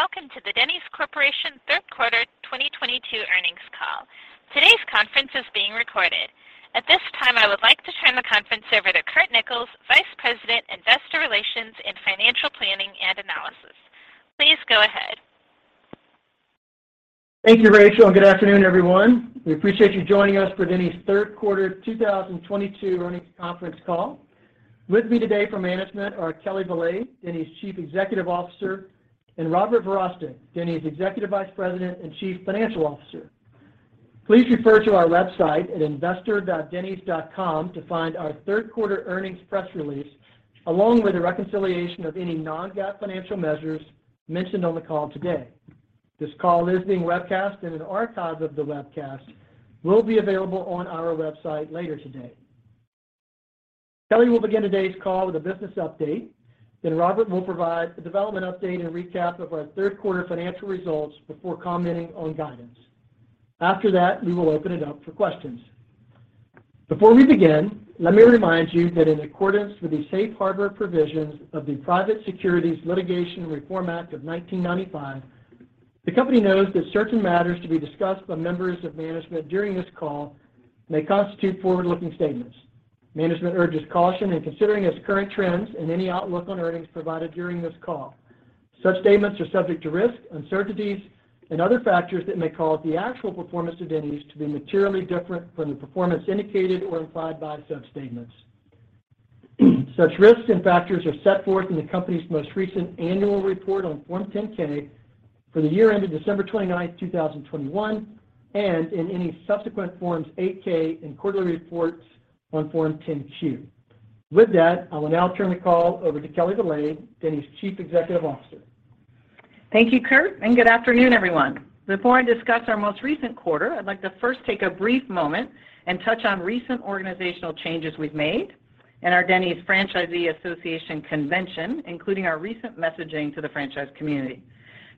Good day, and welcome to the Denny's Corporation Third Quarter 2022 Earnings Call. Today's conference is being recorded. At this time, I would like to turn the conference over to Curt Nichols, Vice President, Investor Relations and Financial Planning and Analysis. Please go ahead. Thank you, Rachel, and good afternoon, everyone. We appreciate you joining us for Denny's Third Quarter 2022 Earnings Conference Call. With me today from management are Kelli Valade, Denny's Chief Executive Officer; and Robert Verostek, Denny's Executive Vice President and Chief Financial Officer. Please refer to our website at investor.dennys.com to find our third quarter earnings press release, along with a reconciliation of any non-GAAP financial measures mentioned on the call today. This call is being webcast, and an archive of the webcast will be available on our website later today. Kelli will begin today's call with a business update, then Robert will provide a development update and recap of our third quarter financial results before commenting on guidance. After that, we will open it up for questions. Before we begin, let me remind you that in accordance with the safe harbor provisions of the Private Securities Litigation Reform Act of 1995, the company notes that certain matters to be discussed by members of management during this call may constitute forward-looking statements. Management urges caution in considering its current trends and any outlook on earnings provided during this call. Such statements are subject to risks, uncertainties, and other factors that may cause the actual performance of Denny's to be materially different from the performance indicated or implied by such statements. Such risks and factors are set forth in the company's most recent annual report on Form 10-K for the year ended December 29, 2021, and in any subsequent Forms 8-K and quarterly reports on Form 10-Q. With that, I will now turn the call over to Kelli Valade, Denny's Chief Executive Officer. Thank you, Curt, and good afternoon, everyone. Before I discuss our most recent quarter, I'd like to first take a brief moment and touch on recent organizational changes we've made in our Denny's Franchisee Association convention, including our recent messaging to the franchise community.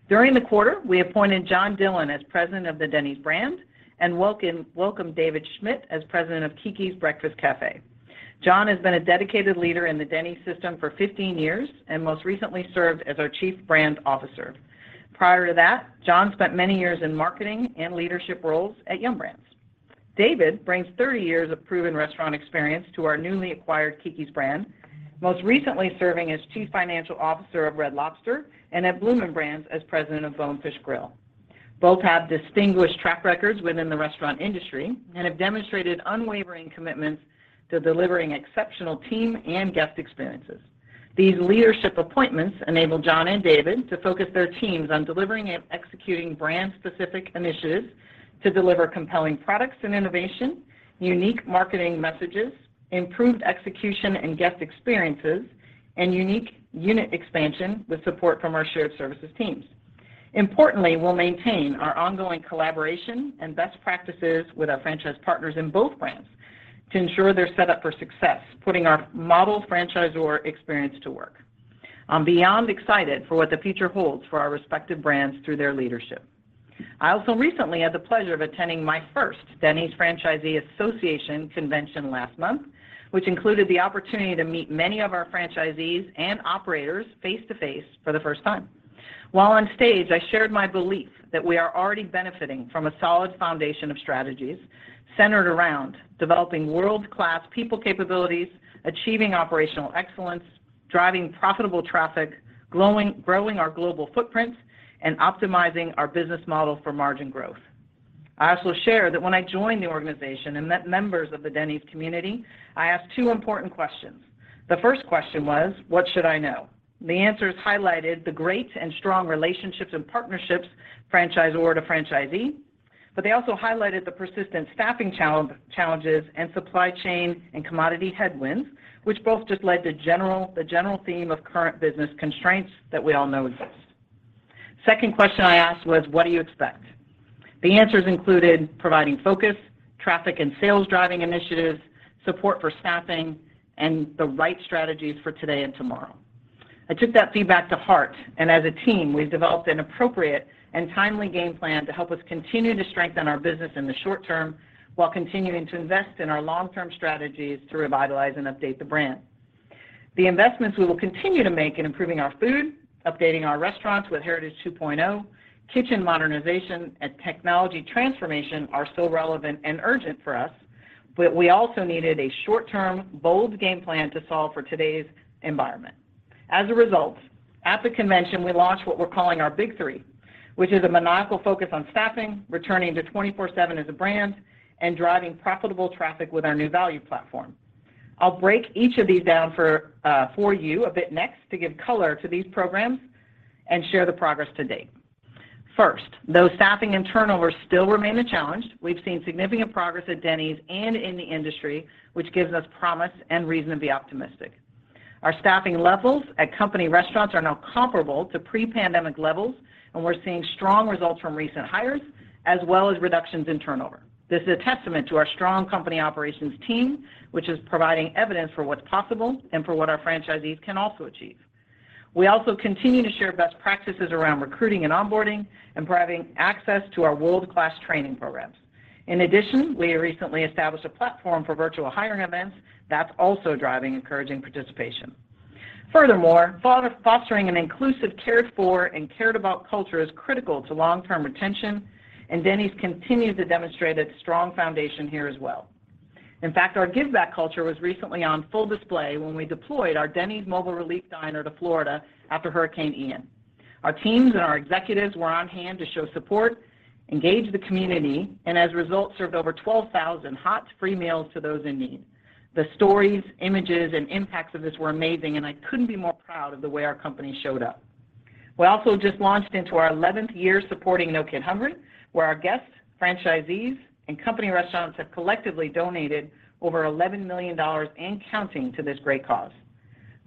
During the quarter, we appointed John Miller as President of the Denny's brand and welcome David Schmidt as President of Keke's Breakfast Cafe. John has been a dedicated leader in the Denny's system for 15 years and most recently served as our Chief Brand Officer. Prior to that, John spent many years in marketing and leadership roles at Yum! Brands. David brings 30 years of proven restaurant experience to our newly acquired Keke's brand, most recently serving as Chief Financial Officer of Red Lobster and at Bloomin' Brands as President of Bonefish Grill. Both have distinguished track records within the restaurant industry and have demonstrated unwavering commitments to delivering exceptional team and guest experiences. These leadership appointments enable John and David to focus their teams on delivering and executing brand-specific initiatives to deliver compelling products and innovation, unique marketing messages, improved execution and guest experiences, and unique unit expansion with support from our shared services teams. Importantly, we'll maintain our ongoing collaboration and best practices with our franchise partners in both brands to ensure they're set up for success, putting our model franchisor experience to work. I'm beyond excited for what the future holds for our respective brands through their leadership. I also recently had the pleasure of attending my first Denny's Franchisee Association Convention last month, which included the opportunity to meet many of our franchisees and operators face to face for the first time. While on stage, I shared my belief that we are already benefiting from a solid foundation of strategies centered around developing world-class people capabilities, achieving operational excellence, driving profitable traffic, growing our global footprint, and optimizing our business model for margin growth. I also shared that when I joined the organization and met members of the Denny's community, I asked two important questions. The first question was, "What should I know?" The answers highlighted the great and strong relationships and partnerships, franchisor to franchisee, but they also highlighted the persistent staffing challenges and supply chain and commodity headwinds, which both just led to the general theme of current business constraints that we all know exist. Second question I asked was, "What do you expect?" The answers included providing focus, traffic and sales-driving initiatives, support for staffing, and the right strategies for today and tomorrow. I took that feedback to heart, and as a team, we've developed an appropriate and timely game plan to help us continue to strengthen our business in the short term while continuing to invest in our long-term strategies to revitalize and update the brand. The investments we will continue to make in improving our food, updating our restaurants with Heritage 2.0, kitchen modernization, and technology transformation are still relevant and urgent for us, but we also needed a short-term, bold game plan to solve for today's environment. As a result, at the convention, we launched what we're calling our Big Three, which is a maniacal focus on staffing, returning to 24/7 as a brand, and driving profitable traffic with our new value platform. I'll break each of these down for you a bit next to give color to these programs and share the progress to date. First, though staffing and turnover still remain a challenge, we've seen significant progress at Denny's and in the industry, which gives us promise and reason to be optimistic. Our staffing levels at company restaurants are now comparable to pre-pandemic levels, and we're seeing strong results from recent hires as well as reductions in turnover. This is a testament to our strong company operations team, which is providing evidence for what's possible and for what our franchisees can also achieve. We also continue to share best practices around recruiting and onboarding and providing access to our world-class training programs. In addition, we recently established a platform for virtual hiring events that's also driving encouraging participation. Furthermore, fostering an inclusive, cared for and cared about culture is critical to long-term retention, and Denny's continues to demonstrate its strong foundation here as well. In fact, our give back culture was recently on full display when we deployed our Denny's Mobile Relief Diner to Florida after Hurricane Ian. Our teams and our executives were on hand to show support, engage the community, and as a result, served over 12,000 hot, free meals to those in need. The stories, images, and impacts of this were amazing, and I couldn't be more proud of the way our company showed up. We also just launched into our eleventh year supporting No Kid Hungry, where our guests, franchisees, and company restaurants have collectively donated over $11 million and counting to this great cause.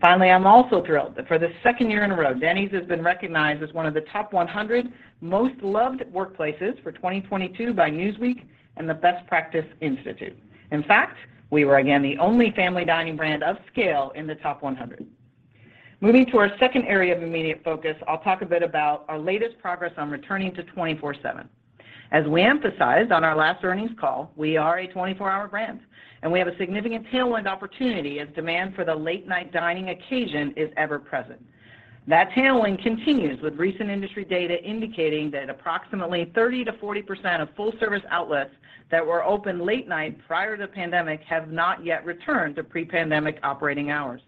Finally, I'm also thrilled that for the second year in a row, Denny's has been recognized as one of the top 100 most loved workplaces for 2022 by Newsweek and the Best Practice Institute. In fact, we were again the only family dining brand of scale in the top 100. Moving to our second area of immediate focus, I'll talk a bit about our latest progress on returning to 24/7. As we emphasized on our last earnings call, we are a 24-hour brand, and we have a significant tailwind opportunity as demand for the late-night dining occasion is ever-present. That tailwind continues with recent industry data indicating that approximately 30%-40% of full-service outlets that were open late-night prior to the pandemic have not yet returned to pre-pandemic operating hours.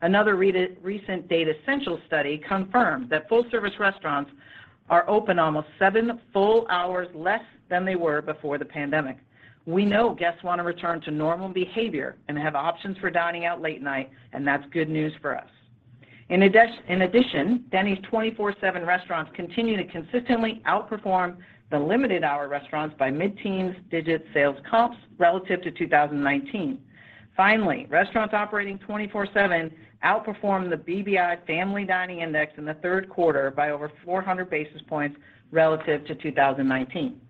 Another recent Datassential study confirmed that full service restaurants are open almost seven full hours less than they were before the pandemic. We know guests wanna return to normal behavior and have options for dining out late night, and that's good news for us. In addition, Denny's 24/7 restaurants continue to consistently outperform the limited hour restaurants by mid-teens sales comps relative to 2019. Finally, restaurants operating 24/7 outperformed the BBI Family Dining Index in the third quarter by over 400 basis points relative to 2019.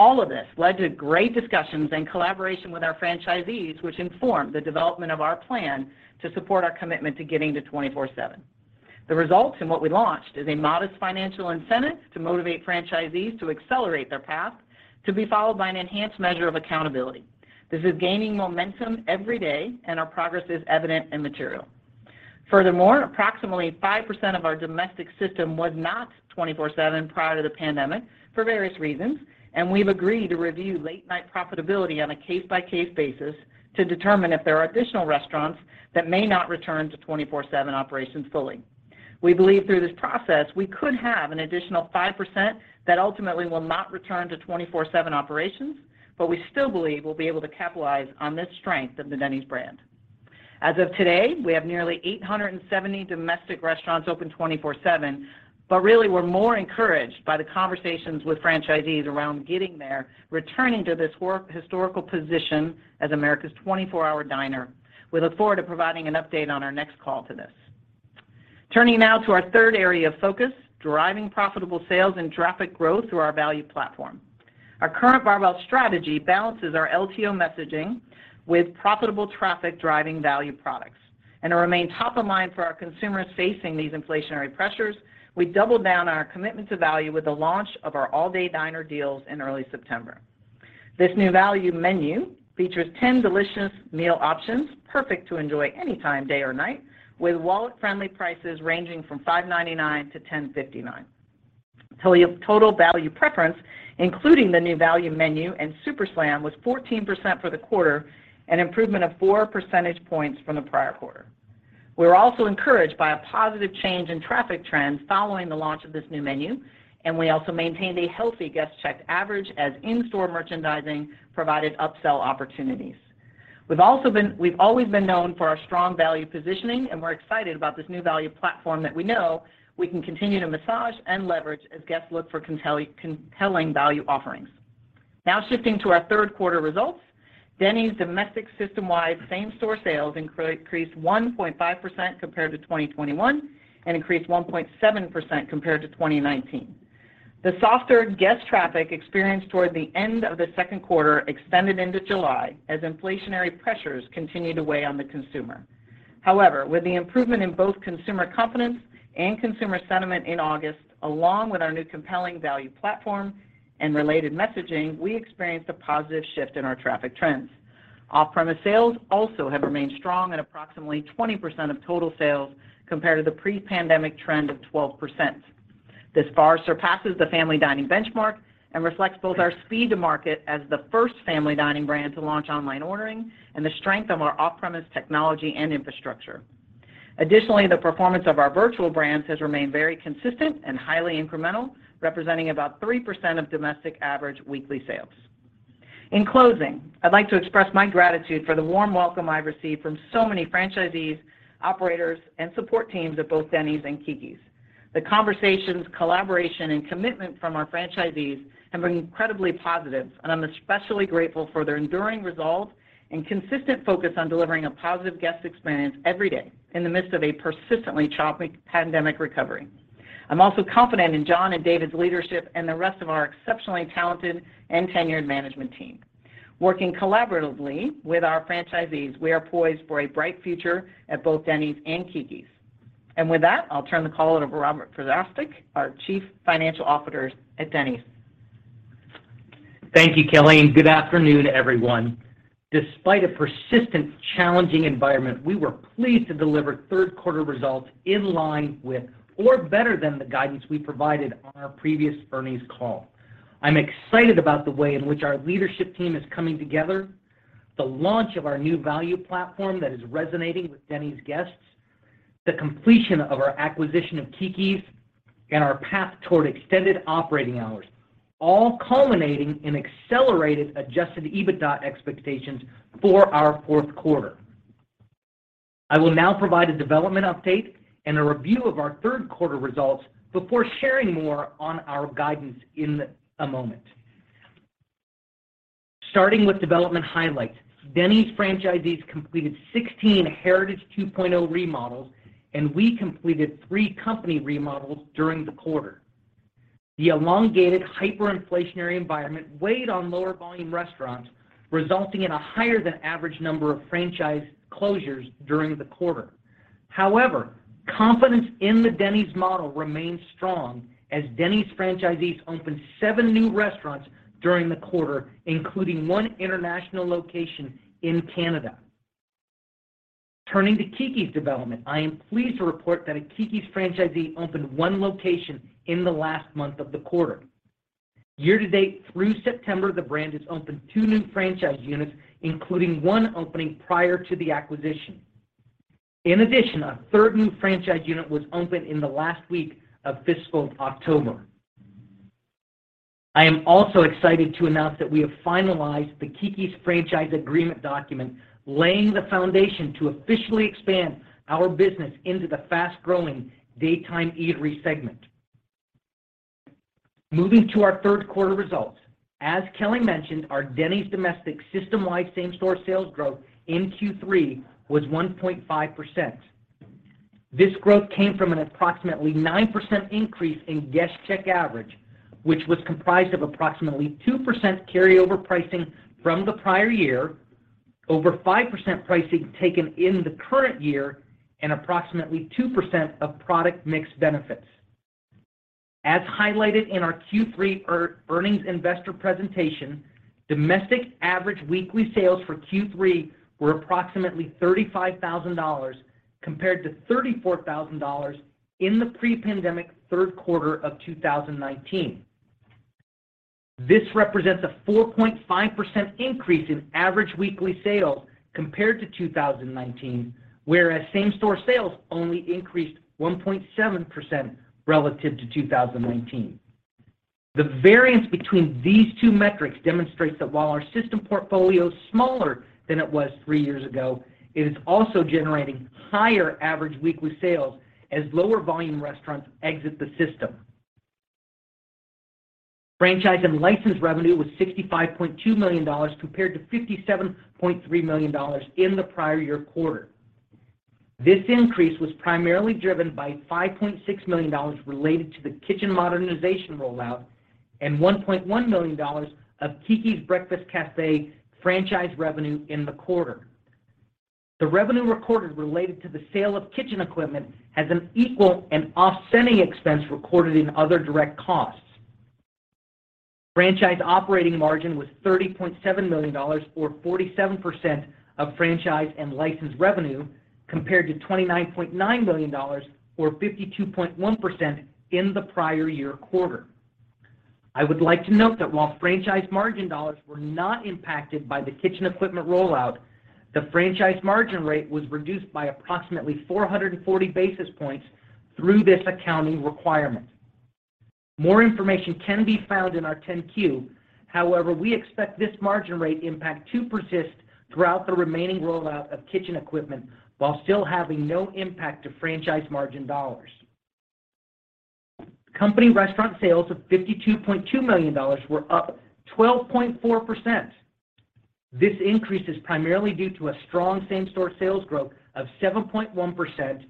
All of this led to great discussions and collaboration with our franchisees, which informed the development of our plan to support our commitment to getting to 24/7. The results in what we launched is a modest financial incentive to motivate franchisees to accelerate their path to be followed by an enhanced measure of accountability. This is gaining momentum every day, and our progress is evident and material. Furthermore, approximately 5% of our domestic system was not 24/7 prior to the pandemic for various reasons, and we've agreed to review late night profitability on a case-by-case basis to determine if there are additional restaurants that may not return to 24/7 operations fully. We believe through this process, we could have an additional 5% that ultimately will not return to 24/7 operations, but we still believe we'll be able to capitalize on this strength of the Denny's brand. As of today, we have nearly 870 domestic restaurants open 24/7, but really we're more encouraged by the conversations with franchisees around getting there, returning to this historical position as America's 24-hour diner. We look forward to providing an update on our next call to this. Turning now to our third area of focus, driving profitable sales and traffic growth through our value platform. Our current barbell strategy balances our LTO messaging with profitable traffic-driving value products. To remain top of mind for our consumers facing these inflationary pressures, we doubled down on our commitment to value with the launch of our All Day Diner Deals in early September. This new value menu features 10 delicious meal options, perfect to enjoy any time, day or night, with wallet-friendly prices ranging from $5.99-$10.59. Total value preference, including the new value menu and Super Slam, was 14% for the quarter, an improvement of 4 percentage points from the prior quarter. We're also encouraged by a positive change in traffic trends following the launch of this new menu, and we also maintained a healthy guest check average as in-store merchandising provided upsell opportunities. We've always been known for our strong value positioning, and we're excited about this new value platform that we know we can continue to massage and leverage as guests look for compelling value offerings. Now shifting to our third quarter results, Denny's domestic system-wide same store sales increased 1.5% compared to 2021 and increased 1.7% compared to 2019. The softer guest traffic experienced toward the end of the second quarter extended into July as inflationary pressures continued to weigh on the consumer. However, with the improvement in both consumer confidence and consumer sentiment in August, along with our new compelling value platform and related messaging, we experienced a positive shift in our traffic trends. Off-premise sales also have remained strong at approximately 20% of total sales compared to the pre-pandemic trend of 12%. This far surpasses the family dining benchmark and reflects both our speed to market as the first family dining brand to launch online ordering and the strength of our off-premise technology and infrastructure. Additionally, the performance of our virtual brands has remained very consistent and highly incremental, representing about 3% of domestic average weekly sales. In closing, I'd like to express my gratitude for the warm welcome I received from so many franchisees, operators, and support teams at both Denny's and Keke's. The conversations, collaboration, and commitment from our franchisees have been incredibly positive, and I'm especially grateful for their enduring resolve and consistent focus on delivering a positive guest experience every day in the midst of a persistently choppy pandemic recovery. I'm also confident in John and David's leadership and the rest of our exceptionally talented and tenured management team. Working collaboratively with our franchisees, we are poised for a bright future at both Denny's and Keke's. With that, I'll turn the call over to Robert Verostek, our Chief Financial Officer at Denny's. Thank you, Kelli, and good afternoon, everyone. Despite a persistent challenging environment, we were pleased to deliver third quarter results in line with or better than the guidance we provided on our previous earnings call. I'm excited about the way in which our leadership team is coming together, the launch of our new value platform that is resonating with Denny's guests, the completion of our acquisition of Keke's, and our path toward extended operating hours, all culminating in accelerated adjusted EBITDA expectations for our fourth quarter. I will now provide a development update and a review of our third quarter results before sharing more on our guidance in a moment. Starting with development highlights, Denny's franchisees completed 16 Heritage 2.0 remodels, and we completed three company remodels during the quarter. The elongated hyperinflationary environment weighed on lower volume restaurants, resulting in a higher than average number of franchise closures during the quarter. However, confidence in the Denny's model remains strong as Denny's franchisees opened seven new restaurants during the quarter, including one international location in Canada. Turning to Keke's development, I am pleased to report that a Keke's franchisee opened one location in the last month of the quarter. Year to date through September, the brand has opened two new franchise units, including one opening prior to the acquisition. In addition, a third new franchise unit was opened in the last week of fiscal October. I am also excited to announce that we have finalized the Keke's franchise agreement document, laying the foundation to officially expand our business into the fast-growing daytime eatery segment. Moving to our third quarter results. As Kelli mentioned, our Denny's domestic system-wide same-store sales growth in Q3 was 1.5%. This growth came from an approximately 9% increase in guest check average, which was comprised of approximately 2% carryover pricing from the prior year, over 5% pricing taken in the current year, and approximately 2% of product mix benefits. As highlighted in our Q3 earnings investor presentation, domestic average weekly sales for Q3 were approximately $35,000 compared to $34,000 in the pre-pandemic third quarter of 2019. This represents a 4.5% increase in average weekly sales compared to 2019, whereas same-store sales only increased 1.7% relative to 2019. The variance between these two metrics demonstrates that while our system portfolio is smaller than it was three years ago, it is also generating higher average weekly sales as lower volume restaurants exit the system. Franchise and license revenue was $65.2 million compared to $57.3 million in the prior year quarter. This increase was primarily driven by $5.6 million related to the kitchen modernization rollout and $1.1 million of Keke's Breakfast Cafe franchise revenue in the quarter. The revenue recorded related to the sale of kitchen equipment has an equal and offsetting expense recorded in other direct costs. Franchise operating margin was $30.7 million or 47% of franchise and license revenue compared to $29.9 million or 52.1% in the prior year quarter. I would like to note that while franchise margin dollars were not impacted by the kitchen equipment rollout, the franchise margin rate was reduced by approximately 440 basis points through this accounting requirement. More information can be found in our 10-Q. However, we expect this margin rate impact to persist throughout the remaining rollout of kitchen equipment while still having no impact to franchise margin dollars. Company restaurant sales of $52.2 million were up 12.4%. This increase is primarily due to a strong same-store sales growth of 7.1%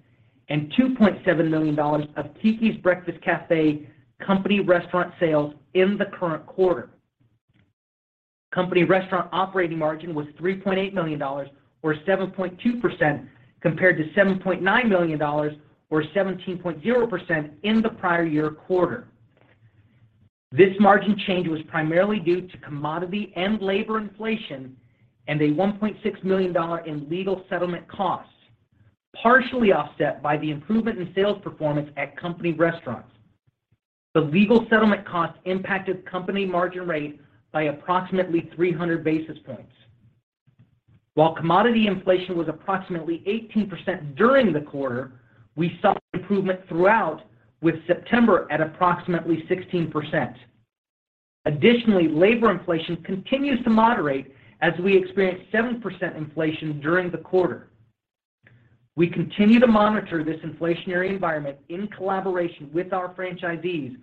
and $2.7 million of Keke's Breakfast Cafe company restaurant sales in the current quarter. Company restaurant operating margin was $3.8 million or 7.2% compared to $7.9 million or 17.0% in the prior year quarter. This margin change was primarily due to commodity and labor inflation and a $1.6 million in legal settlement costs, partially offset by the improvement in sales performance at company restaurants. The legal settlement cost impacted company margin rate by approximately 300 basis points. While commodity inflation was approximately 18% during the quarter, we saw improvement throughout, with September at approximately 16%. Additionally, labor inflation continues to moderate as we experienced 7% inflation during the quarter. We continue to monitor this inflationary environment in collaboration with our franchisees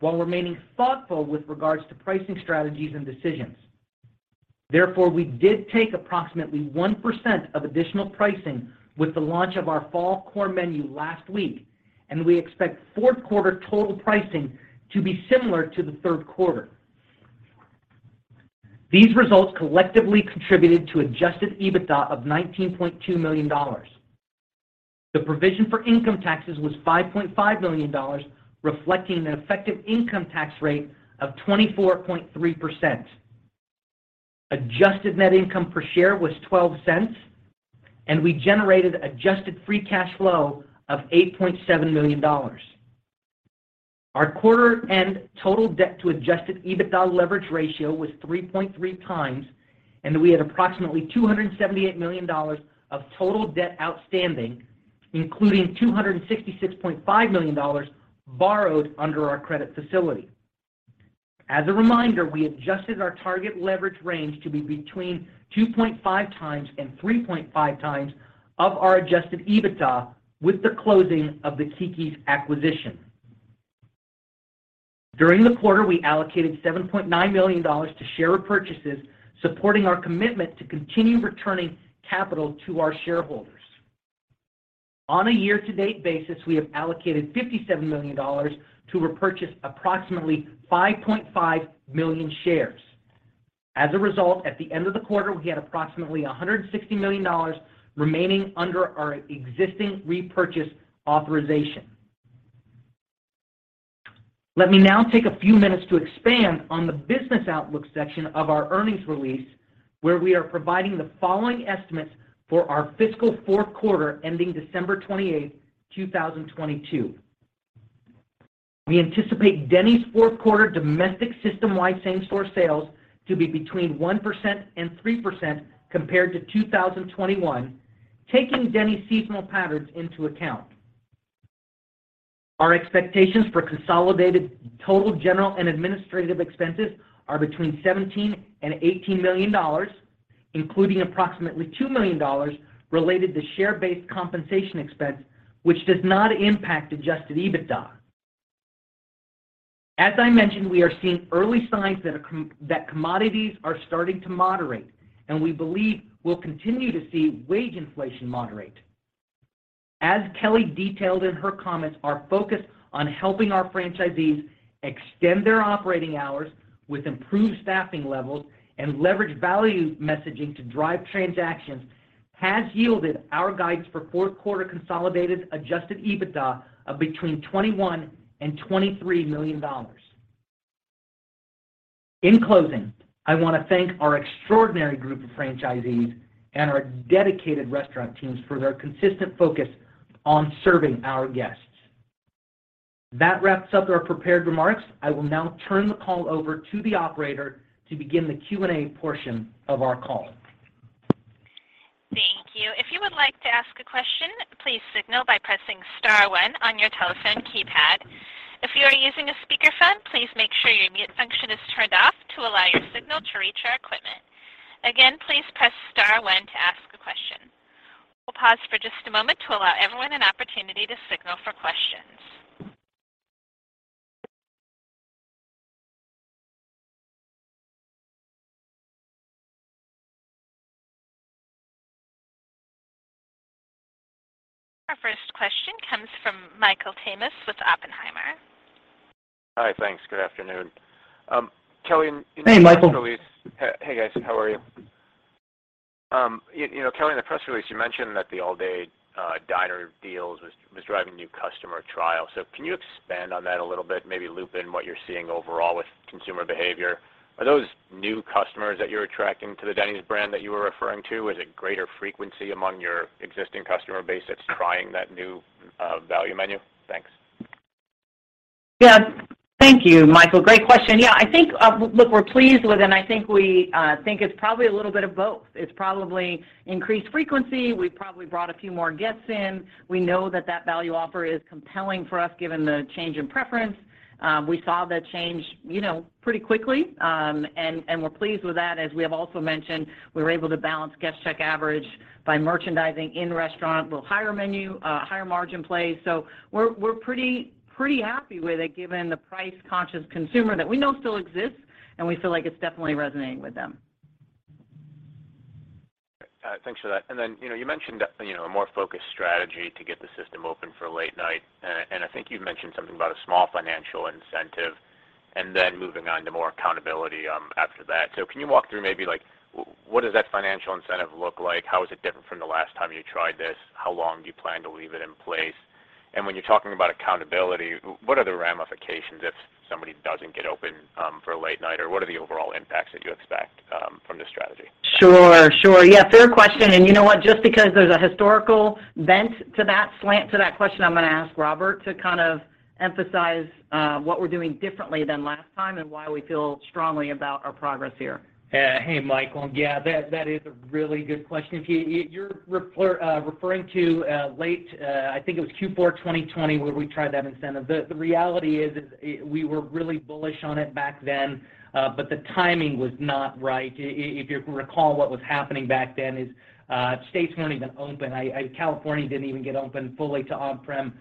while remaining thoughtful with regards to pricing strategies and decisions. Therefore, we did take approximately 1% of additional pricing with the launch of our fall core menu last week. We expect fourth quarter total pricing to be similar to the third quarter. These results collectively contributed to adjusted EBITDA of $19.2 million. The provision for income taxes was $5.5 million, reflecting an effective income tax rate of 24.3%. Adjusted net income per share was $0.12, and we generated adjusted free cash flow of $8.7 million. Our quarter-end total debt to adjusted EBITDA leverage ratio was 3.3x, and we had approximately $278 million of total debt outstanding, including $266.5 million borrowed under our credit facility. As a reminder, we adjusted our target leverage range to be between 2.5x and 3.5x of our adjusted EBITDA with the closing of the Keke's acquisition. During the quarter, we allocated $7.9 million to share repurchases, supporting our commitment to continue returning capital to our shareholders. On a year-to-date basis, we have allocated $57 million to repurchase approximately 5.5 million shares. As a result, at the end of the quarter, we had approximately $160 million remaining under our existing repurchase authorization. Let me now take a few minutes to expand on the business outlook section of our earnings release, where we are providing the following estimates for our fiscal fourth quarter ending December 28, 2022. We anticipate Denny's fourth quarter domestic system-wide same-store sales to be between 1% and 3% compared to 2021, taking Denny's seasonal patterns into account. Our expectations for consolidated total general and administrative expenses are between $17 million and $18 million, including approximately $2 million related to share-based compensation expense, which does not impact adjusted EBITDA. As I mentioned, we are seeing early signs that commodities are starting to moderate, and we believe we'll continue to see wage inflation moderate. As Kelli detailed in her comments, our focus on helping our franchisees extend their operating hours with improved staffing levels and leverage value messaging to drive transactions has yielded our guidance for fourth quarter consolidated adjusted EBITDA of between $21 million and $23 million. In closing, I want to thank our extraordinary group of franchisees and our dedicated restaurant teams for their consistent focus on serving our guests. That wraps up our prepared remarks. I will now turn the call over to the operator to begin the Q&A portion of our call. Thank you. If you would like to ask a question, please signal by pressing star one on your telephone keypad. If you are using a speakerphone, please make sure your mute function is turned off to allow your signal to reach our equipment. Again, please press star one to ask a question. We'll pause for just a moment to allow everyone an opportunity to signal for questions. Our first question comes from Michael Tamas with Oppenheimer. Hi. Thanks. Good afternoon. Kelli, in the press release. Hey, Michael. Hey, guys. How are you? You know, Kelli, in the press release, you mentioned that the All Day Diner Deals was driving new customer trials. Can you expand on that a little bit, maybe loop in what you're seeing overall with consumer behavior? Are those new customers that you're attracting to the Denny's brand that you were referring to, is it greater frequency among your existing customer base that's trying that new value menu? Thanks. Yeah. Thank you, Michael. Great question. Yeah, I think, look, we're pleased with, and I think we think it's probably a little bit of both. It's probably increased frequency. We've probably brought a few more guests in. We know that that value offer is compelling for us, given the change in preference. We saw that change, you know, pretty quickly, and we're pleased with that. As we have also mentioned, we were able to balance guest check average by merchandising in-restaurant, a little higher menu, higher margin plays. So we're pretty happy with it, given the price-conscious consumer that we know still exists, and we feel like it's definitely resonating with them. All right. Thanks for that. You know, you mentioned a, you know, a more focused strategy to get the system open for late night. I think you've mentioned something about a small financial incentive, and then moving on to more accountability, after that. Can you walk through maybe like what does that financial incentive look like? How is it different from the last time you tried this? How long do you plan to leave it in place? When you're talking about accountability, what are the ramifications if somebody doesn't get open, for late night, or what are the overall impacts that you expect, from this strategy? Sure. Yeah, fair question. You know what, just because there's a historical bent to that slant, to that question, I'm gonna ask Robert to kind of emphasize what we're doing differently than last time and why we feel strongly about our progress here. Yeah. Hey, Michael. Yeah, that is a really good question. If you're referring to late, I think it was Q4 of 2020 where we tried that incentive. The reality is, we were really bullish on it back then, but the timing was not right. If you recall, what was happening back then is, states weren't even open. California didn't even get open fully to off-prem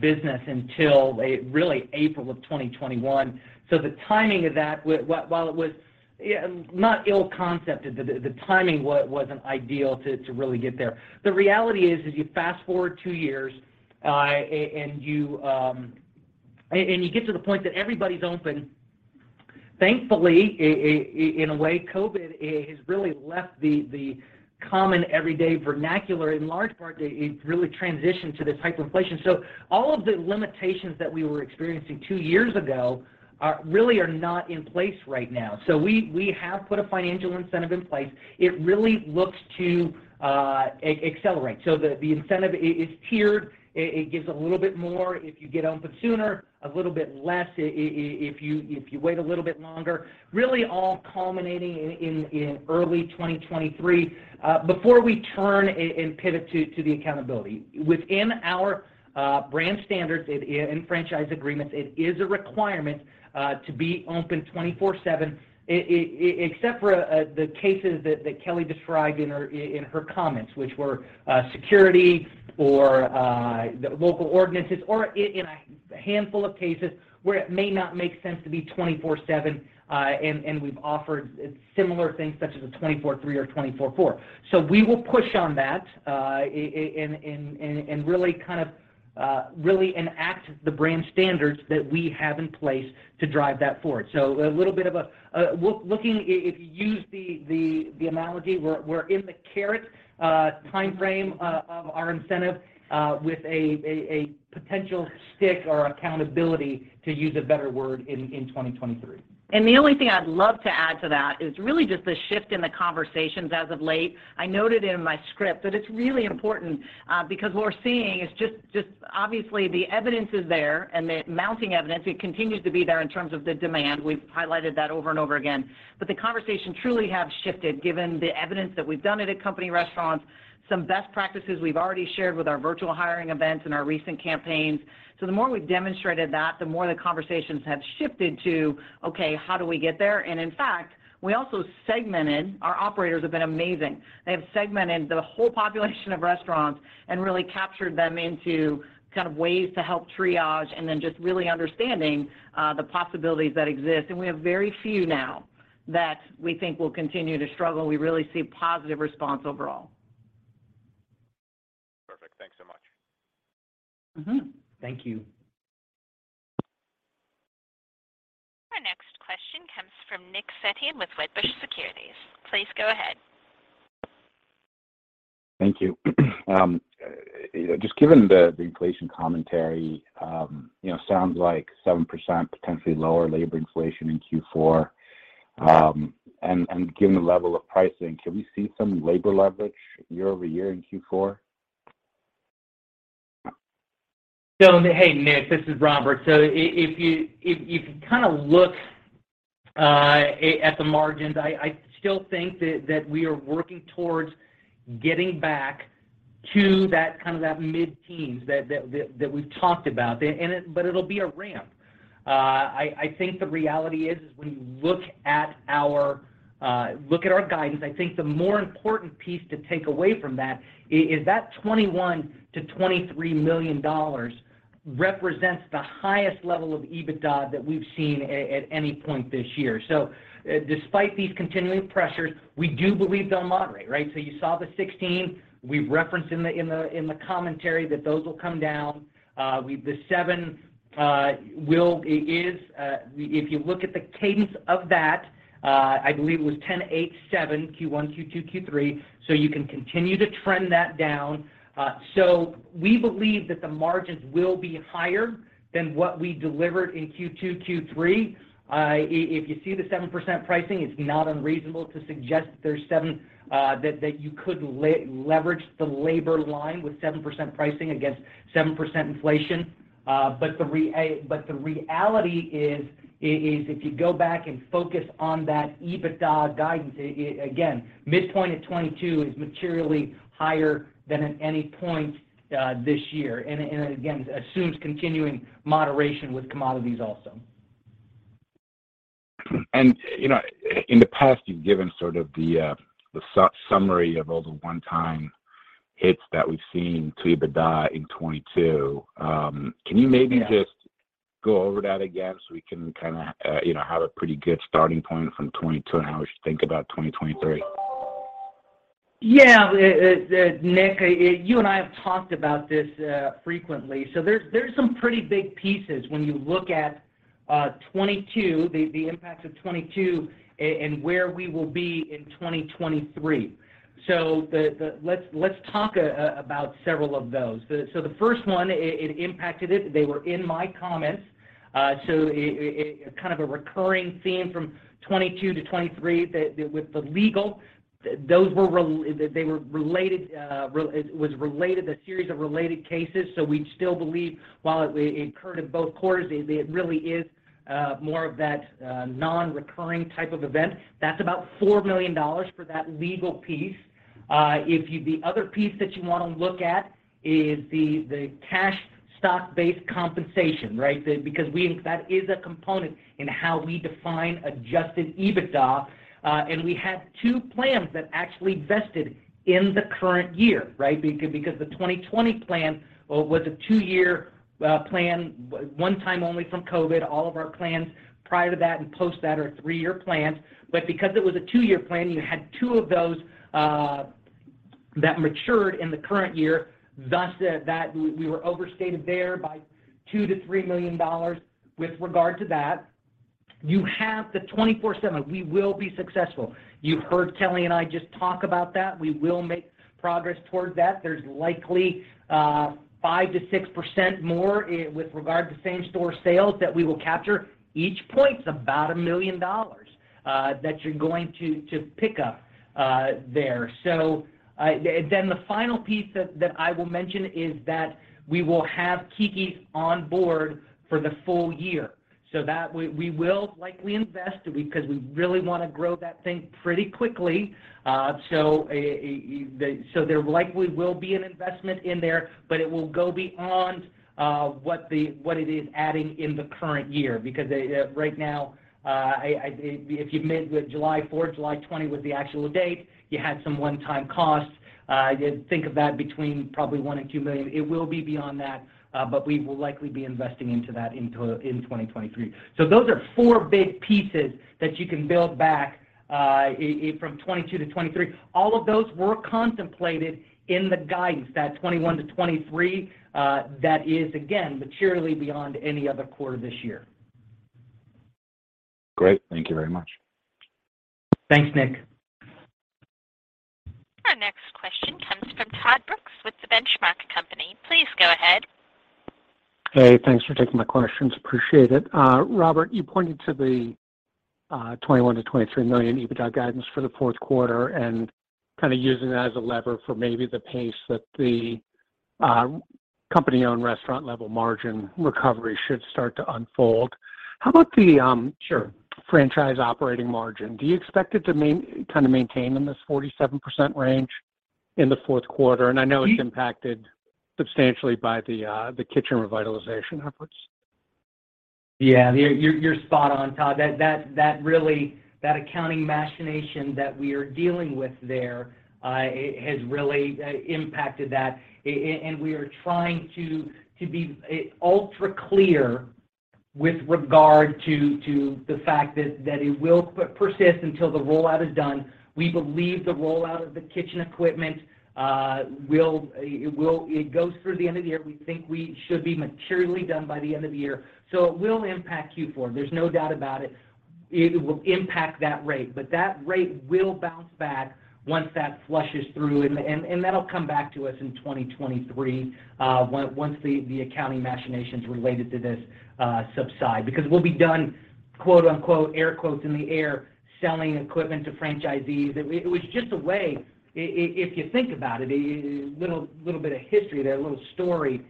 business until really April of 2021. The timing of that, while it was not ill-conceived, the timing wasn't ideal to really get there. The reality is you fast-forward two years and you get to the point that everybody's open. Thankfully, in a way, COVID has really left the common everyday vernacular. In large part, it really transitioned to this hyperinflation. All of the limitations that we were experiencing two years ago are really not in place right now. We have put a financial incentive in place. It really looks to accelerate. The incentive is tiered. It gives a little bit more if you get open sooner, a little bit less if you wait a little bit longer, really all culminating in early 2023, before we turn and pivot to the accountability. Within our brand standards and franchise agreements, it is a requirement to be open 24/7 except for the cases that Kelli described in her comments, which were security or the local ordinances or in a handful of cases where it may not make sense to be 24/7, and we've offered similar things such as a 24/3 or 24/4. We will push on that, and really enact the brand standards that we have in place to drive that forward. A little bit of a, well, if you use the analogy, we're in the carrot timeframe of our incentive with a potential stick or accountability, to use a better word, in 2023. The only thing I'd love to add to that is really just the shift in the conversations as of late. I noted in my script that it's really important, because what we're seeing is just obviously the evidence is there and the mounting evidence, it continues to be there in terms of the demand. We've highlighted that over and over again. The conversation truly have shifted given the evidence that we've done it at company restaurants, some best practices we've already shared with our virtual hiring events and our recent campaigns. The more we've demonstrated that, the more the conversations have shifted to, "Okay, how do we get there?" In fact, we also segmented. Our operators have been amazing. They have segmented the whole population of restaurants and really captured them into kind of ways to help triage and then just really understanding the possibilities that exist. We have very few now that we think will continue to struggle. We really see positive response overall. Perfect. Thanks so much. Mm-hmm. Thank you. Our next question comes from Nick Setyan with Wedbush Securities. Please go ahead. Thank you. Just given the inflation commentary, you know, sounds like 7% potentially lower labor inflation in Q4. Given the level of pricing, can we see some labor leverage year-over-year in Q4? Hey, Nick, this is Robert. If you kind of look at the margins, I still think that we are working towards getting back to that kind of mid-teens that we've talked about. It'll be a ramp. I think the reality is when you look at our guidance. I think the more important piece to take away from that is that $21 million-$23 million represents the highest level of EBITDA that we've seen at any point this year. Despite these continuing pressures, we do believe they'll moderate, right? You saw the 16% we've referenced in the commentary that those will come down. The 7%, it is if you look at the cadence of that. I believe it was 10% 8% 7% Q1, Q2, Q3. You can continue to trend that down. We believe that the margins will be higher than what we delivered in Q2, Q3. If you see the 7% pricing, it's not unreasonable to suggest there's 7% that you could leverage the labor line with 7% pricing against 7% inflation. The reality is if you go back and focus on that EBITDA guidance, again, midpoint at 2022 is materially higher than at any point this year, and again, assumes continuing moderation with commodities also. You know, in the past, you've given sort of the summary of all the one-time hits that we've seen to EBITDA in 2022. Yeah. Can you maybe just go over that again so we can kinda, you know, have a pretty good starting point from 2022 and how we should think about 2023? Yeah. Nick, you and I have talked about this, frequently. There's some pretty big pieces when you look at 2022, the impacts of 2022 and where we will be in 2023. Let's talk about several of those. The first one, it impacted it. They were in my comments. It kind of a recurring theme from 2022 to 2023 with the legal, those were related, it was related, a series of related cases. We still believe while it occurred in both quarters, it really is more of that non-recurring type of event. That's about $4 million for that legal piece. The other piece that you wanna look at is the cash stock-based compensation, right? That is a component in how we define adjusted EBITDA, and we had two plans that actually vested in the current year, right? The 2020 plan was a two-year plan, one time only from COVID. All of our plans prior to that and post that are three-year plans. It was a two-year plan, you had two of those that matured in the current year, thus we were overstated there by $2 million-$3 million with regard to that. You have the 24/7. We will be successful. You've heard Kelli and I just talk about that. We will make progress towards that. There's likely 5%-6% more with regard to same-store sales that we will capture. Each point's about $1 million that you're going to pick up there. And then the final piece that I will mention is that we will have Keke's on board for the full year, so that we will likely invest because we really wanna grow that thing pretty quickly. So there likely will be an investment in there, but it will go beyond what it is adding in the current year. Because right now, if you net with July 4, July 20 was the actual date, you had some one-time costs. You think of that between probably $1 million and $2 million. It will be beyond that, but we will likely be investing into that until in 2023. Those are four big pieces that you can build back from 2022 to 2023. All of those were contemplated in the guidance, that $21 million-$23 million. That is again materially beyond any other quarter this year. Great. Thank you very much. Thanks, Nick. Our next question comes from Todd Brooks with The Benchmark Company. Please go ahead. Hey, thanks for taking my questions. Appreciate it. Robert, you pointed to the $21 million-$23 million EBITDA guidance for the fourth quarter and kinda using that as a lever for maybe the pace that the company-owned restaurant level margin recovery should start to unfold. How about the- Sure. -franchise operating margin? Do you expect it to kinda maintain in this 47% range in the fourth quarter? I know it's impacted substantially by the kitchen revitalization efforts. Yeah. You're spot on, Todd. That really that accounting machination that we are dealing with there, it has really impacted that. We are trying to be ultra clear with regard to the fact that it will persist until the rollout is done. We believe the rollout of the kitchen equipment will. It goes through the end of the year. We think we should be materially done by the end of the year. It will impact Q4. There's no doubt about it. It will impact that rate, but that rate will bounce back once that flushes through. That'll come back to us in 2023 once the accounting machinations related to this subside. Because we'll be done, quote unquote, air quotes in the air, selling equipment to franchisees. It was just a way if you think about it, a little bit of history there, a little story.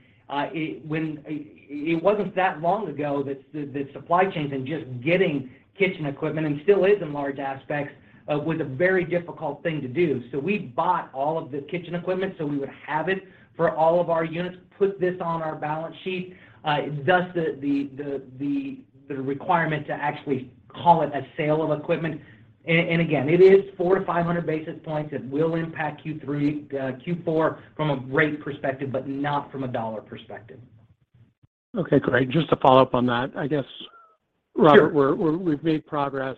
When it wasn't that long ago that the supply chains and just getting kitchen equipment, and still is in large aspects, was a very difficult thing to do. We bought all of the kitchen equipment, so we would have it for all of our units, put this on our balance sheet, thus the requirement to actually call it a sale of equipment. Again, it is 400-500 basis points. It will impact Q3, Q4 from a rate perspective, but not from a dollar perspective. Okay, great. Just to follow up on that, I guess. Sure. Robert, we've made progress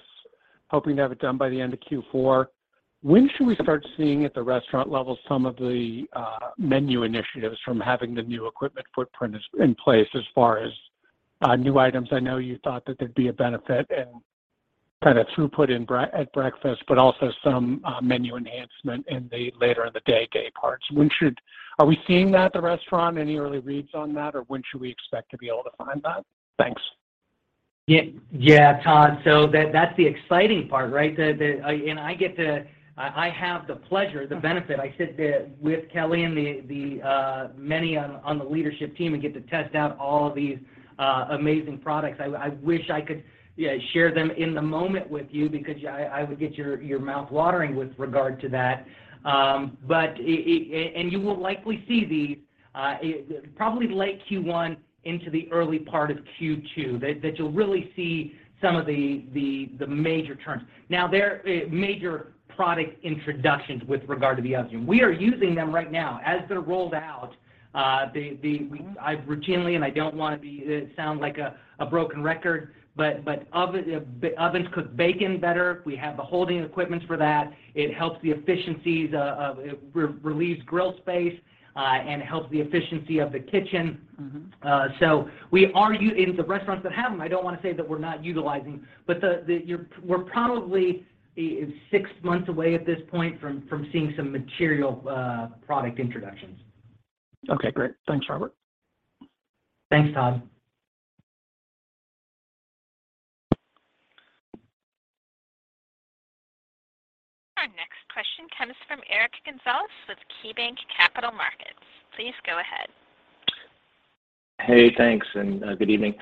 hoping to have it done by the end of Q4. When should we start seeing at the restaurant level some of the menu initiatives from having the new equipment footprint in place as far as new items? I know you thought that there'd be a benefit and kind of throughput at breakfast, but also some menu enhancement in the later in the day dayparts. Are we seeing that at the restaurant? Any early reads on that, or when should we expect to be able to find that? Thanks. Yeah, Todd. That's the exciting part, right? I have the pleasure, the benefit. I sit with Kelli and the many on the leadership team and get to test out all of these amazing products. I wish I could, you know, share them in the moment with you because I would get your mouth watering with regard to that. But you will likely see these probably late Q1 into the early part of Q2, that you'll really see some of the major turns. Now, they're major product introductions with regard to the oven room. We are using them right now. As they're rolled out, the I've routinely, and I don't wanna sound like a broken record, but ovens cook bacon better. We have the holding equipment for that. It helps the efficiencies, it relieves grill space, and helps the efficiency of the kitchen. Mm-hmm. In the restaurants that have them, I don't wanna say that we're not utilizing. We're probably six months away at this point from seeing some material product introductions. Okay, great. Thanks, Robert. Thanks, Todd. Our next question comes from Eric Gonzalez with KeyBanc Capital Markets. Please go ahead. Hey, thanks, and good evening.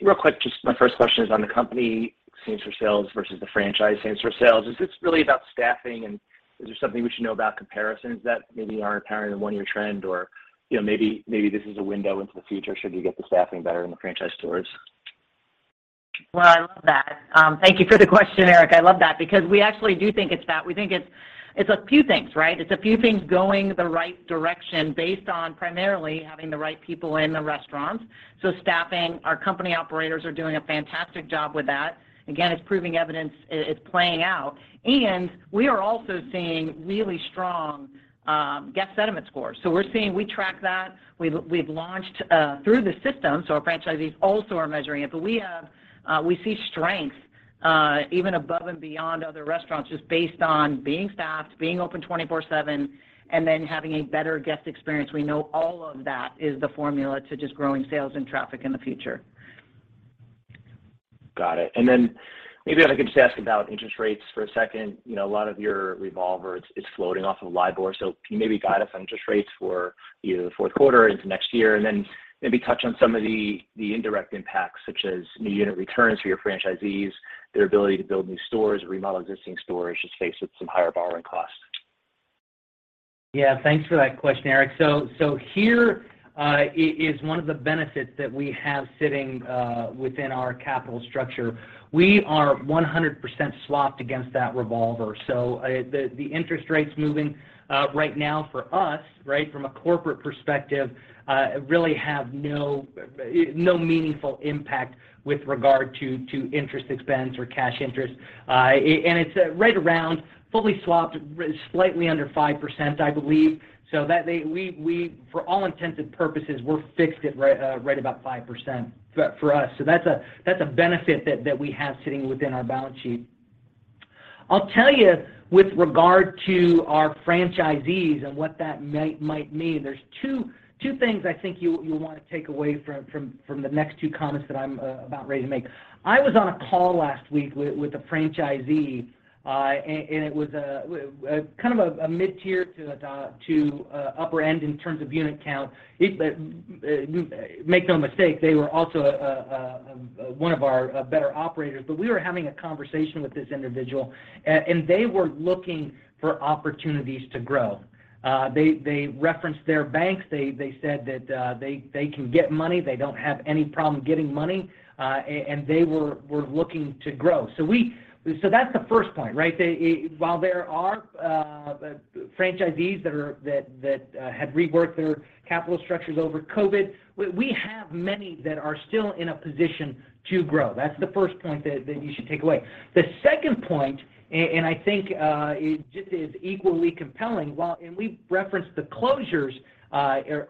Real quick, just my first question is on the company same store sales versus the franchise same store sales. Is this really about staffing, and is there something we should know about comparisons that maybe aren't apparent in the one-year trend? Or, you know, maybe this is a window into the future should you get the staffing better in the franchise stores? Well, I love that. Thank you for the question, Eric. I love that because we actually do think it's that. We think it's a few things, right? It's a few things going the right direction based on primarily having the right people in the restaurants, so staffing. Our company operators are doing a fantastic job with that. Again, it's providing evidence it's playing out. We are also seeing really strong guest sentiment scores. We're seeing. We track that. We've launched through the system, so our franchisees also are measuring it. We have, we see strength even above and beyond other restaurants just based on being staffed, being open 24/7, and then having a better guest experience. We know all of that is the formula to just growing sales and traffic in the future. Got it. Maybe I could just ask about interest rates for a second. You know, a lot of your revolvers is floating off of LIBOR, so can you maybe guide us on interest rates for either the fourth quarter into next year and then maybe touch on some of the indirect impacts, such as new unit returns for your franchisees, their ability to build new stores or remodel existing stores just faced with some higher borrowing costs? Yeah, thanks for that question, Eric. Here is one of the benefits that we have sitting within our capital structure. We are 100% swapped against that revolver. The interest rates moving right now for us, right, from a corporate perspective really have no meaningful impact with regard to interest expense or cash interest. And it's right around fully swapped slightly under 5%, I believe. That we, for all intents and purposes, we're fixed at right about 5% for us. That's a benefit that we have sitting within our balance sheet. I'll tell you with regard to our franchisees and what that might mean. There's two things I think you'll wanna take away from the next two comments that I'm about ready to make. I was on a call last week with a franchisee, and it was kind of a one of our better operators. We were having a conversation with this individual and they were looking for opportunities to grow. They referenced their banks. They said that they can get money. They don't have any problem getting money and they were looking to grow. That's the first point, right? While there are franchisees that had reworked their capital structures over COVID, we have many that are still in a position to grow. That's the first point that you should take away. The second point and I think it just is equally compelling. We referenced the closures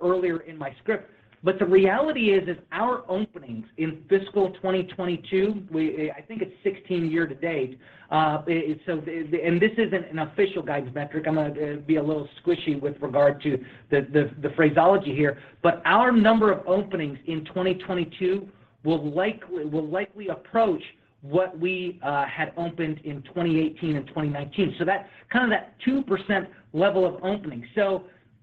earlier in my script, but the reality is our openings in fiscal 2022. I think it's 16 year to date. This isn't an official guidance metric. I'm gonna be a little squishy with regard to the phraseology here. Our number of openings in 2022 will likely approach what we had opened in 2018 and 2019. That's kind of that 2% level of opening.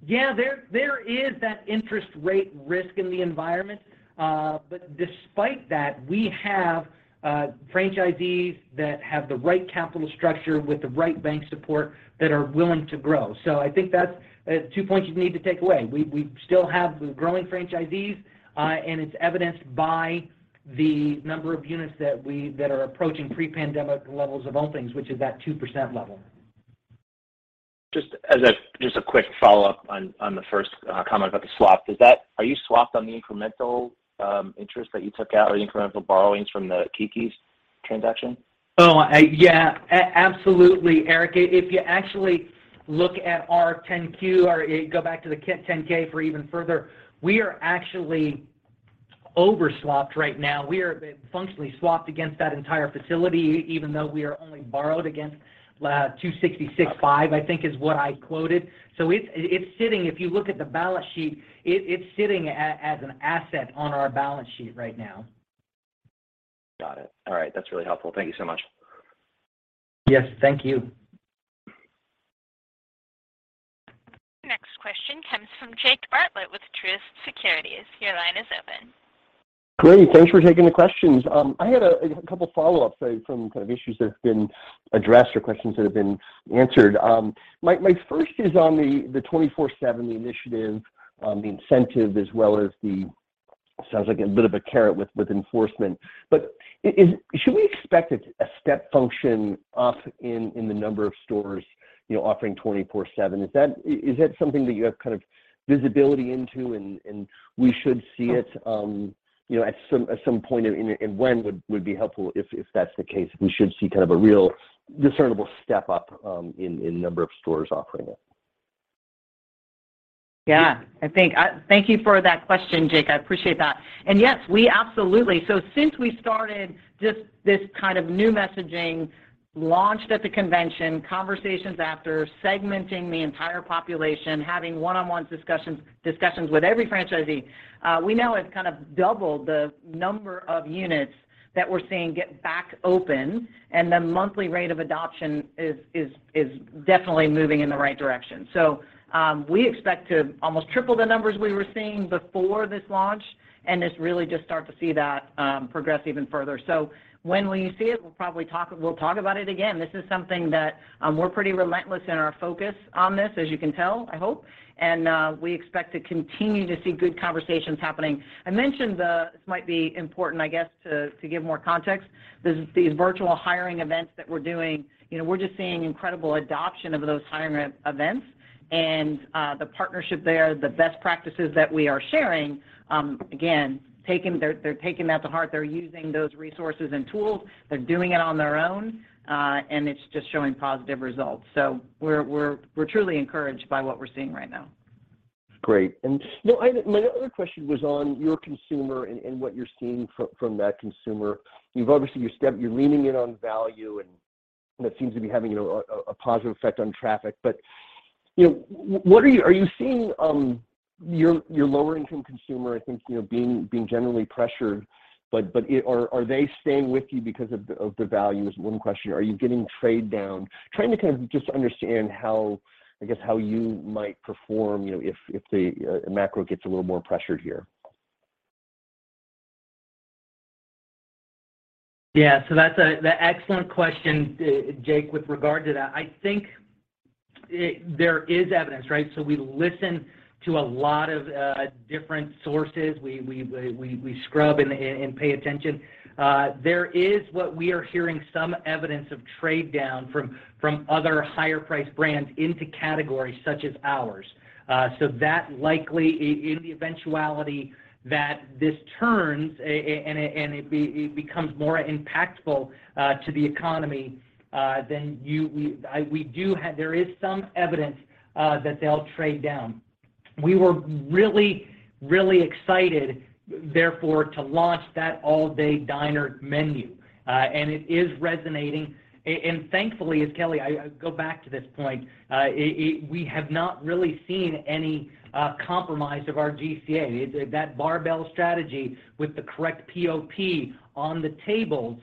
Yeah, there is that interest rate risk in the environment. Despite that, we have franchisees that have the right capital structure with the right bank support that are willing to grow. I think that's two points you need to take away. We still have the growing franchisees, and it's evidenced by the number of units that are approaching pre-pandemic levels of openings, which is that 2% level. Just a quick follow-up on the first comment about the swap. Are you swapped on the incremental interest that you took out or the incremental borrowings from the Keke's transaction? Absolutely, Eric. If you actually look at our Form 10-Q or go back to the 10-K for even further, we are actually over-swapped right now. We are functionally swapped against that entire facility even though we are only borrowed against $266.5 I think is what I quoted. It's sitting as an asset on our balance sheet right now. Got it. All right. That's really helpful. Thank you so much. Yes, thank you. Next question comes from Jake Bartlett with Truist Securities. Your line is open. Great. Thanks for taking the questions. I had a couple follow-ups from kind of issues that have been addressed or questions that have been answered. My first is on the 24/7 initiative, the incentive, as well as sounds like a bit of a carrot with enforcement. Should we expect a step function up in the number of stores you know offering 24/7? Is that something that you have kind of visibility into and we should see it you know at some point and when would be helpful if that's the case we should see kind of a real discernible step up in number of stores offering it? Thank you for that question, Jake. I appreciate that. Yes, we absolutely. Since we started just this kind of new messaging, launched at the convention, conversations after segmenting the entire population, having one-on-one discussions with every franchisee, we now have kind of doubled the number of units that we're seeing get back open, and the monthly rate of adoption is definitely moving in the right direction. We expect to almost triple the numbers we were seeing before this launch, and this really just start to see that progress even further. When will you see it? We'll probably talk about it again. This is something that we're pretty relentless in our focus on this, as you can tell, I hope. We expect to continue to see good conversations happening. This might be important, I guess, to give more context. These virtual hiring events that we're doing. You know, we're just seeing incredible adoption of those hiring events and the partnership there, the best practices that we are sharing. They're taking that to heart. They're using those resources and tools. They're doing it on their own, and it's just showing positive results. We're truly encouraged by what we're seeing right now. Great. No, my other question was on your consumer and what you're seeing from that consumer. You've obviously you're leaning in on value, and that seems to be having a positive effect on traffic. You know, what are you seeing your lower income consumer I think you know being generally pressured, but are they staying with you because of the value is one question. Are you getting trade down? Trying to kind of just understand how, I guess, how you might perform you know if the macro gets a little more pressured here. That's an excellent question, Jake, with regard to that. I think there is evidence, right? We listen to a lot of different sources. We scrub and pay attention. There is, what we are hearing, some evidence of trade down from other higher priced brands into categories such as ours. That likely in the eventuality that this turns and it becomes more impactful to the economy, then we do have some evidence that they'll trade down. We were really excited, therefore, to launch that all-day diner menu, and it is resonating. Thankfully, as Kelli, I go back to this point, it we have not really seen any compromise of our GCA. That barbell strategy with the correct POP on the tables,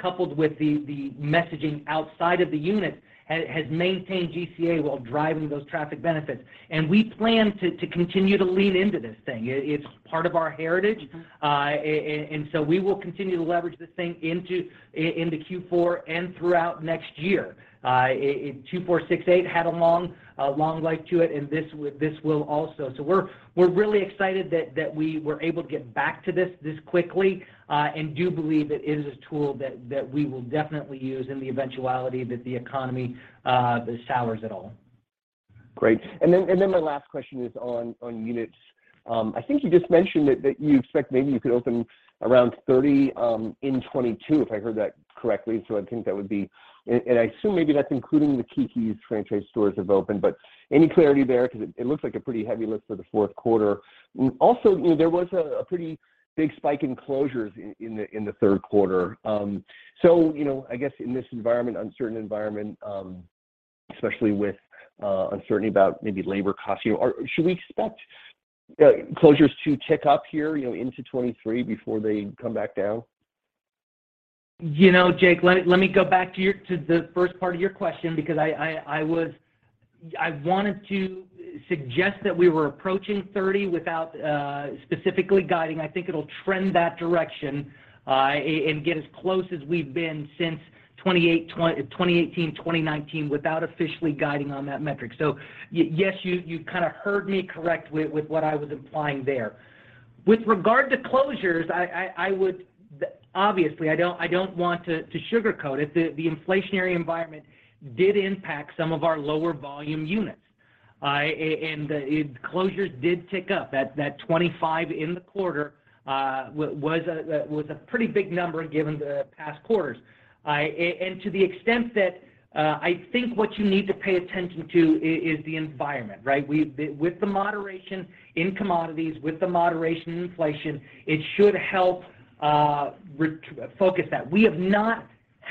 coupled with the messaging outside of the unit has maintained GCA while driving those traffic benefits. We plan to continue to lean into this thing. It's part of our heritage. Mm-hmm. We will continue to leverage this thing into Q4 and throughout next year. It, $2, $4, $6, $8 had a long life to it, and this will also. We're really excited that we were able to get back to this quickly, and do believe it is a tool that we will definitely use in the eventuality that the economy sours at all. Great. My last question is on units. I think you just mentioned that you expect maybe you could open around 30 in 2022, if I heard that correctly. I think that would be. And I assume maybe that's including the Keke's franchise stores have opened, but any clarity there? Because it looks like a pretty heavy lift for the fourth quarter. Also, you know, there was a pretty big spike in closures in the third quarter. You know, I guess in this environment, uncertain environment, especially with uncertainty about maybe labor costs, you know, should we expect closures to tick up here, you know, into 2023 before they come back down? You know, Jake, let me go back to the first part of your question because I wanted to suggest that we were approaching 30 without specifically guiding. I think it'll trend that direction and get as close as we've been since 2018, 2019 without officially guiding on that metric. Yes, you kind of heard me correct with what I was implying there. With regard to closures, obviously, I don't want to sugarcoat it. The inflationary environment did impact some of our lower volume units. The closures did tick up. That 25 in the quarter was a pretty big number given the past quarters. To the extent that, I think what you need to pay attention to is the environment, right? With the moderation in commodities, with the moderation in inflation, it should help focus that. We have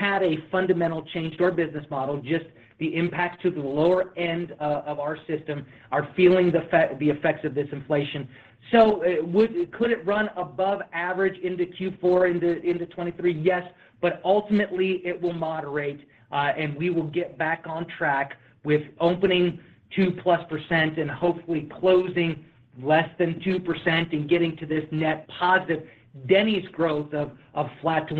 not had a fundamental change to our business model, just the impact to the lower end of our system are feeling the effects of this inflation. Could it run above average into Q4, into 2023? Yes. Ultimately, it will moderate, and we will get back on track with opening 2%+ and hopefully closing less than 2% and getting to this net positive Denny's growth of flat to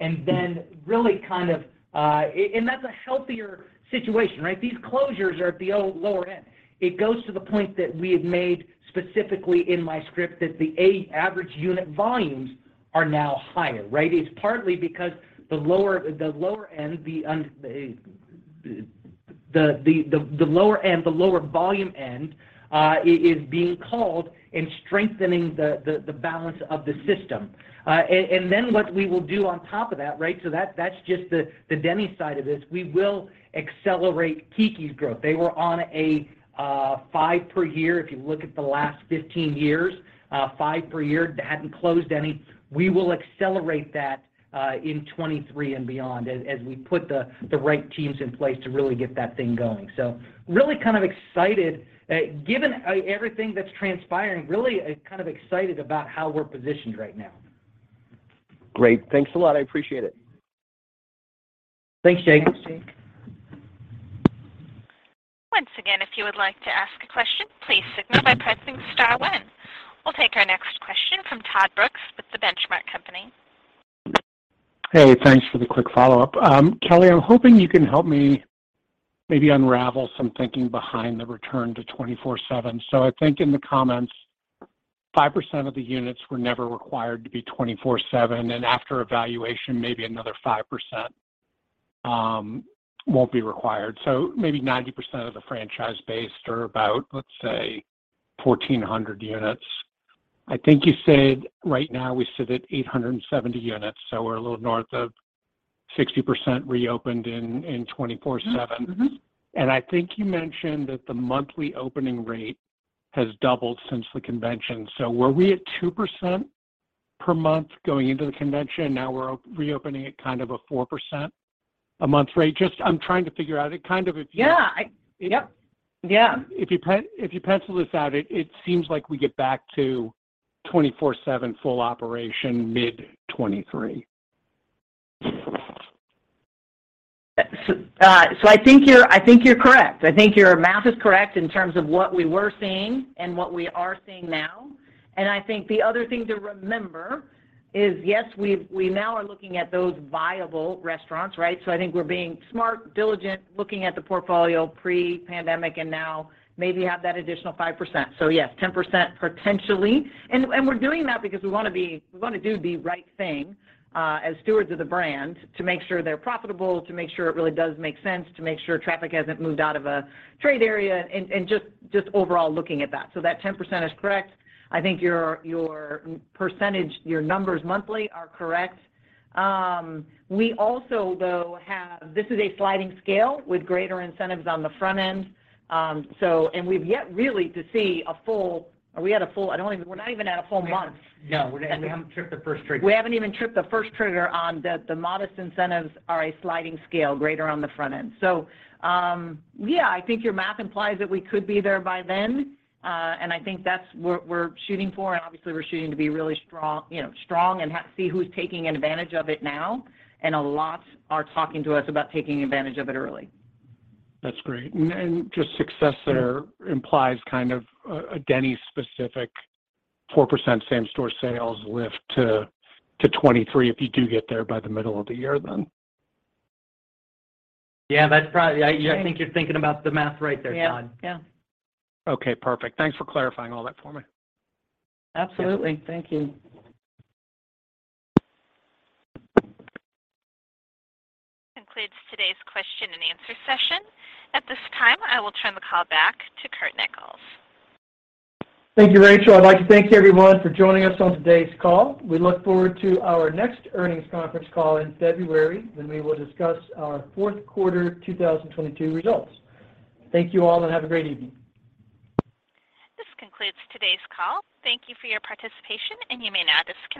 1%. Really kind of that's a healthier situation, right? These closures are at the lower end. It goes to the point that we had made specifically in my script that the average unit volumes are now higher, right? It's partly because the lower volume end is being culled and strengthening the balance of the system. What we will do on top of that, right? That's just the Denny's side of this. We will accelerate Keke's growth. They were on five per year, if you look at the last 15 years. They hadn't closed any. We will accelerate that in 2023 and beyond as we put the right teams in place to really get that thing going. Really kind of excited. Given everything that's transpiring, really, kind of excited about how we're positioned right now. Great. Thanks a lot. I appreciate it. Thanks, Jake. Thanks, Jake. Once again, if you would like to ask a question, please signal by pressing star one. We'll take our next question from Todd Brooks with The Benchmark Company. Hey, thanks for the quick follow-up. Kelli, I'm hoping you can help me maybe unravel some thinking behind the return to 24/7. I think in the comments, 5% of the units were never required to be 24/7, and after evaluation, maybe another 5% won't be required. Maybe 90% of the franchise base or about, let's say, 1,400 units. I think you said right now we sit at 870 units, so we're a little north of 60% reopened in 24/7. Mm-hmm. Mm-hmm. I think you mentioned that the monthly opening rate has doubled since the convention. Were we at 2% per month going into the convention, now we're reopening at kind of a 4% a month rate? Just, I'm trying to figure out if, kind of, you Yeah. Yep. Yeah. If you pencil this out, it seems like we get back to 24/7 full operation mid 2023. I think you're correct. I think your math is correct in terms of what we were seeing and what we are seeing now. I think the other thing to remember is, yes, we now are looking at those viable restaurants, right? I think we're being smart, diligent, looking at the portfolio pre-pandemic and now maybe have that additional 5%. Yes, 10% potentially. We're doing that because we wanna be, we wanna do the right thing, as stewards of the brand to make sure they're profitable, to make sure it really does make sense, to make sure traffic hasn't moved out of a trade area and just overall looking at that. That 10% is correct. I think your percentage, your numbers monthly are correct. We also though have... This is a sliding scale with greater incentives on the front end. We've yet really to see a full month. We're not even at a full month. No, we haven't tripped the first trigger. We haven't even tripped the first trigger on the modest incentives are a sliding scale greater on the front end. Yeah, I think your math implies that we could be there by then, and I think that's what we're shooting for, and obviously we're shooting to be really strong, you know, strong and see who's taking advantage of it now, and a lot are talking to us about taking advantage of it early. That's great. Just success there implies kind of a Denny's specific 4% same store sales lift to 2023 if you do get there by the middle of the year then. Yeah, that's probably. I think you're thinking about the math right there, Todd. Yeah. Yeah. Okay, perfect. Thanks for clarifying all that for me. Absolutely. Thank you. This concludes today's question and answer session. At this time, I will turn the call back to Curt Nichols. Thank you, Rachel. I'd like to thank everyone for joining us on today's call. We look forward to our next earnings conference call in February, when we will discuss our fourth quarter 2022 results. Thank you all, and have a great evening. This concludes today's call. Thank you for your participation, and you may now disconnect.